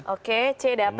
oke c dapat satu